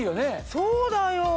そうだよ。